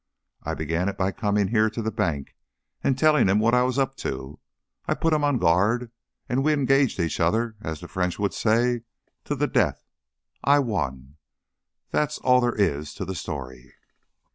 I began it by coming here to the bank and telling him what I was up to. I put him on guard, and we engaged each other, as the French would say, 'to the death.' I won. That's all there is to the story."